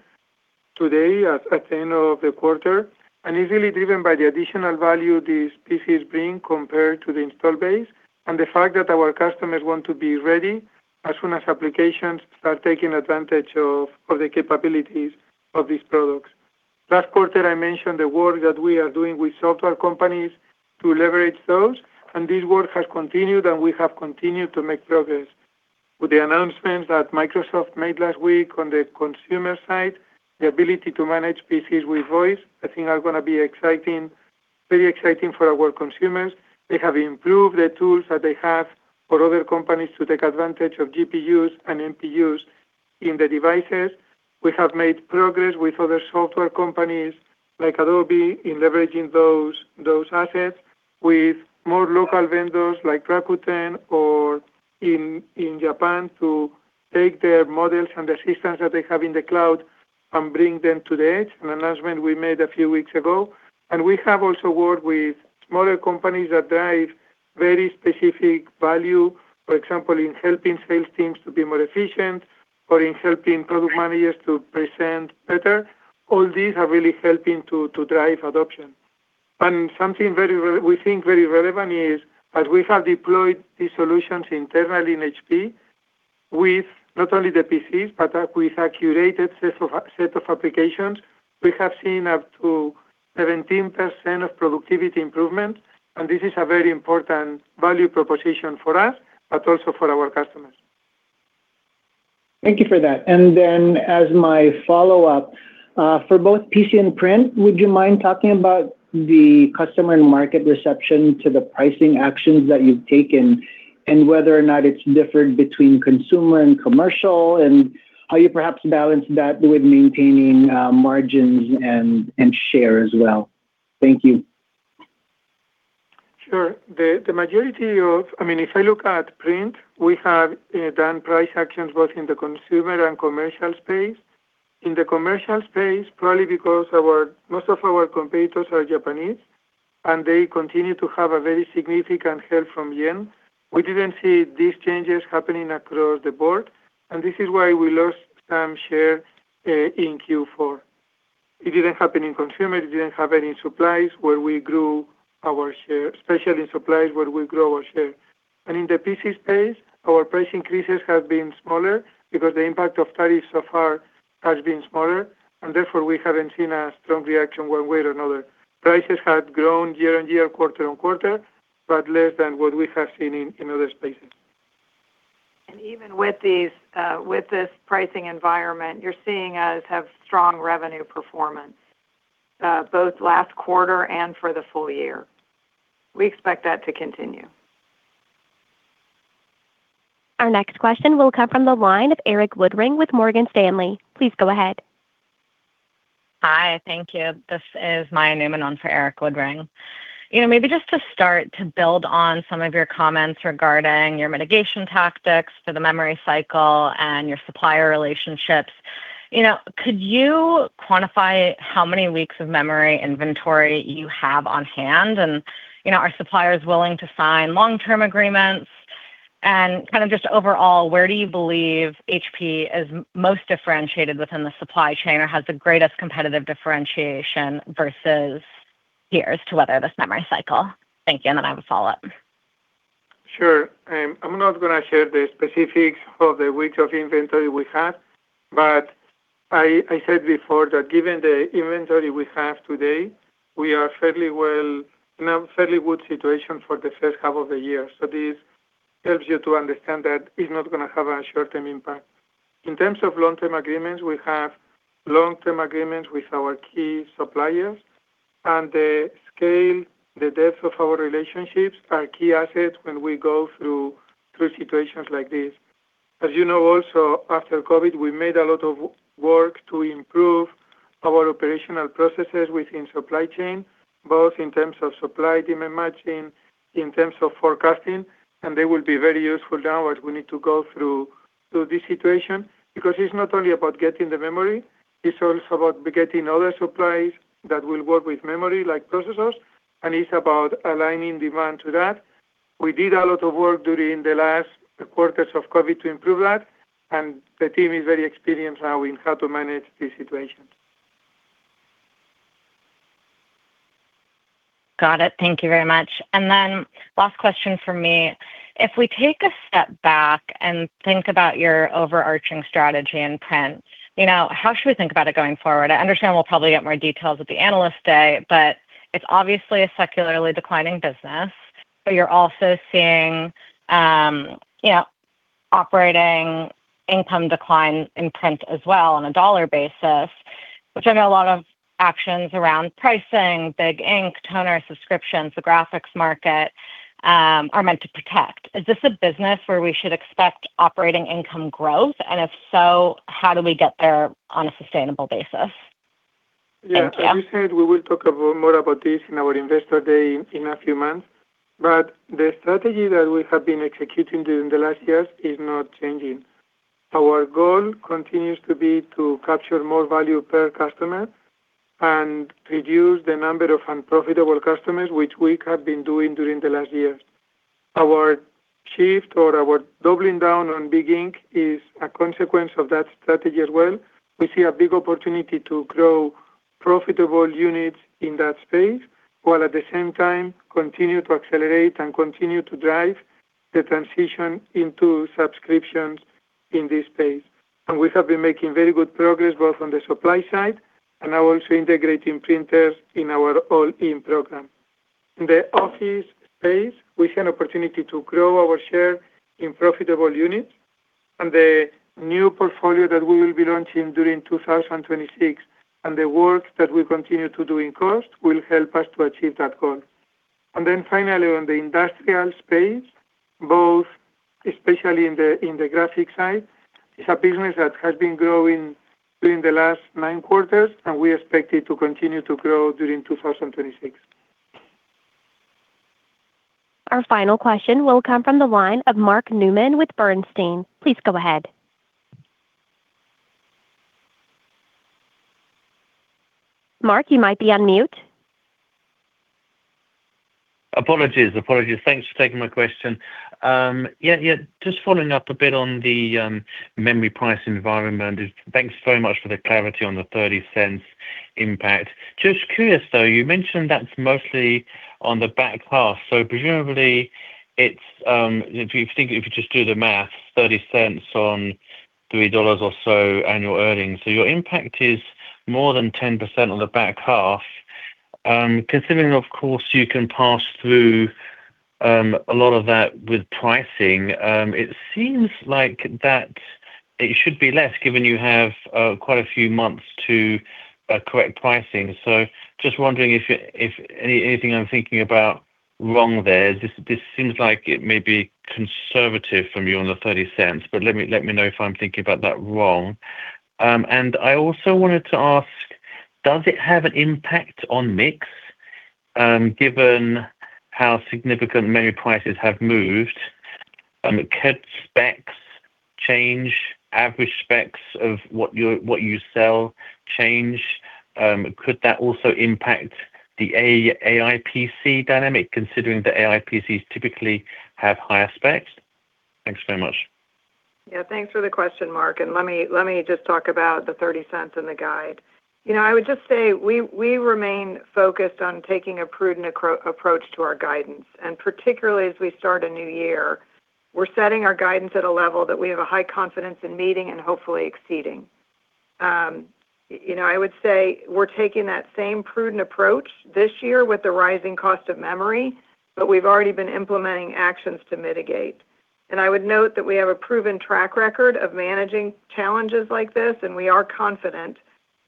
today at the end of the quarter. It is really driven by the additional value these PCs bring compared to the install base and the fact that our customers want to be ready as soon as applications start taking advantage of the capabilities of these products. Last quarter, I mentioned the work that we are doing with software companies to leverage those. This work has continued, and we have continued to make progress. With the announcements that Microsoft made last week on the consumer side, the ability to manage PCs with voice, I think, is going to be very exciting for our consumers. They have improved the tools that they have for other companies to take advantage of GPUs and NPUs in the devices. We have made progress with other software companies like Adobe in leveraging those assets with more local vendors like Rakuten or in Japan to take their models and the systems that they have in the cloud and bring them to the edge, an announcement we made a few weeks ago. We have also worked with smaller companies that drive very specific value, for example, in helping sales teams to be more efficient or in helping product managers to present better. All these are really helping to drive adoption. Something we think very relevant is, as we have deployed these solutions internally in HP with not only the PCs, but with accurate sets of applications, we have seen up to 17% of productivity improvement. This is a very important value proposition for us, but also for our customers. Thank you for that. As my follow-up, for both PC and print, would you mind talking about the customer and market reception to the pricing actions that you've taken and whether or not it's differed between consumer and commercial and how you perhaps balance that with maintaining margins and share as well? Thank you. Sure. The majority of, I mean, if I look at print, we have done price actions both in the consumer and commercial space. In the commercial space, probably because most of our competitors are Japanese and they continue to have a very significant help from Yen, we didn't see these changes happening across the board. This is why we lost some share in Q4. It didn't happen in consumer. It did not happen in supplies where we grew our share, especially in supplies where we grow our share. In the PC space, our price increases have been smaller because the impact of tariffs so far has been smaller. Therefore, we have not seen a strong reaction one way or another. Prices have grown year on year, quarter on quarter, but less than what we have seen in other spaces. Even with this pricing environment, you are seeing us have strong revenue performance both last quarter and for the full year. We expect that to continue. Our next question will come from the line of Erik Woodring with Morgan Stanley. Please go ahead. Hi, thank you. This is Maya Neuman on for Erik Woodring. Maybe just to start to build on some of your comments regarding your mitigation tactics for the memory cycle and your supplier relationships, could you quantify how many weeks of memory inventory you have on hand? Are suppliers willing to sign long-term agreements? Kind of just overall, where do you believe HP is most differentiated within the supply chain or has the greatest competitive differentiation versus peers to weather this memory cycle? Thank you. I have a follow-up. Sure. I'm not going to share the specifics of the weeks of inventory we have. I said before that given the inventory we have today, we are in a fairly good situation for the first half of the year. This helps you to understand that it's not going to have a short-term impact. In terms of long-term agreements, we have long-term agreements with our key suppliers. The scale, the depth of our relationships are key assets when we go through situations like this. As you know, also after COVID, we made a lot of work to improve our operational processes within supply chain, both in terms of supply demand matching, in terms of forecasting. They will be very useful now as we need to go through this situation because it's not only about getting the memory. It's also about getting other supplies that will work with memory like processors. It's about aligning demand to that. We did a lot of work during the last quarters of COVID to improve that. The team is very experienced now in how to manage these situations. Got it. Thank you very much. Last question for me. If we take a step back and think about your overarching strategy in print, how should we think about it going forward? I understand we'll probably get more details at the analyst day, but it's obviously a secularly declining business. You're also seeing operating income decline in print as well on a dollar basis, which I know a lot of actions around pricing, Big Ink, toner, subscriptions, the graphics market are meant to protect. Is this a business where we should expect operating income growth? If so, how do we get there on a sustainable basis? As we said, we will talk more about this in our investor day in a few months. The strategy that we have been executing during the last years is not changing. Our goal continues to be to capture more value per customer and reduce the number of unprofitable customers, which we have been doing during the last years. Our shift or our doubling down on Big Ink is a consequence of that strategy as well. We see a big opportunity to grow profitable units in that space while at the same time continue to accelerate and continue to drive the transition into subscriptions in this space. We have been making very good progress both on the supply side and now also integrating printers in our all-in plan. In the office space, we had an opportunity to grow our share in profitable units. The new portfolio that we will be launching during 2026 and the work that we continue to do in cost will help us to achieve that goal. Finally, on the industrial space, especially in the graphic side, it is a business that has been growing during the last nine quarters, and we expect it to continue to grow during 2026. Our final question will come from the line of Mark Newman with Bernstein. Please go ahead. Mark, you might be on mute. Apologies. Thanks for taking my question. Just following up a bit on the memory price environment, thanks very much for the clarity on the $0.30 impact. Just curious, though, you mentioned that is mostly on the back half. Presumably, if you just do the math, $0.30 on $3 or so annual earnings, your impact is more than 10% on the back half. Considering, of course, you can pass through a lot of that with pricing, it seems like that it should be less given you have quite a few months to correct pricing. Just wondering if anything I'm thinking about wrong there. This seems like it may be conservative from you on the $0.30, but let me know if I'm thinking about that wrong. I also wanted to ask, does it have an impact on mix given how significant memory prices have moved? Could specs change, average specs of what you sell change? Could that also impact the AI PC dynamic considering that AI PCs typically have higher specs? Thanks very much. Yeah, thanks for the question, Mark. Let me just talk about the $0.30 and the guide. I would just say we remain focused on taking a prudent approach to our guidance. Particularly as we start a new year, we're setting our guidance at a level that we have a high confidence in meeting and hopefully exceeding. I would say we're taking that same prudent approach this year with the rising cost of memory, but we've already been implementing actions to mitigate. I would note that we have a proven track record of managing challenges like this, and we are confident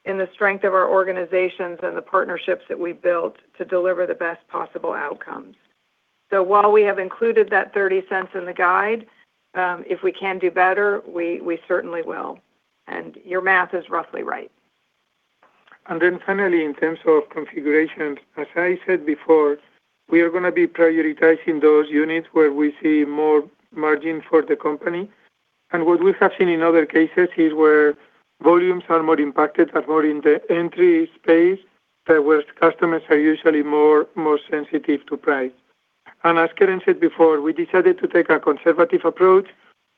in the strength of our organizations and the partnerships that we've built to deliver the best possible outcomes. While we have included that $0.30 in the guide, if we can do better, we certainly will. Your math is roughly right. Finally, in terms of configurations, as I said before, we are going to be prioritizing those units where we see more margin for the company. What we have seen in other cases is where volumes are more impacted, are more in the entry space, where customers are usually more sensitive to price. As Karen said before, we decided to take a conservative approach.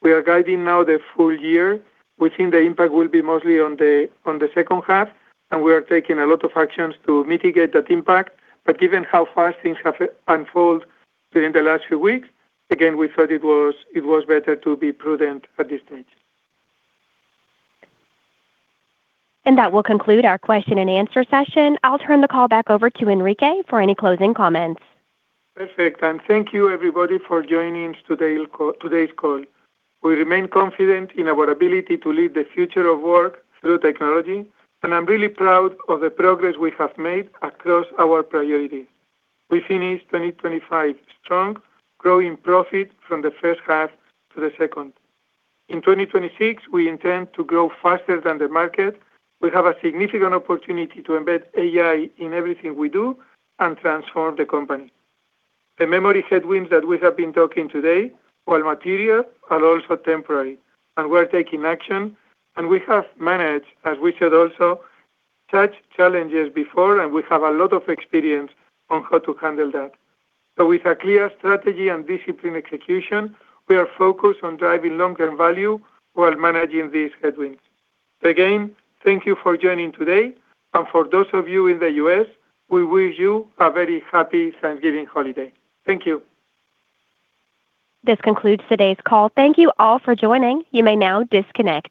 We are guiding now the full year. We think the impact will be mostly on the second half, and we are taking a lot of actions to mitigate that impact. Given how fast things have unfolded during the last few weeks, we thought it was better to be prudent at this stage. That will conclude our question and answer session. I'll turn the call back over to Enrique for any closing comments. Perfect. Thank you, everybody, for joining today's call. We remain confident in our ability to lead the future of work through technology. I'm really proud of the progress we have made across our priorities. We finished 2025 strong, growing profit from the first half to the second. In 2026, we intend to grow faster than the market. We have a significant opportunity to embed AI in everything we do and transform the company. The memory headwinds that we have been talking about today are material, but also temporary. We're taking action. We have managed, as we said also, such challenges before, and we have a lot of experience on how to handle that. With a clear strategy and disciplined execution, we are focused on driving long-term value while managing these headwinds. Again, thank you for joining today. For those of you in the U.S., we wish you a very happy Thanksgiving holiday. Thank you. This concludes today's call. Thank you all for joining. You may now disconnect.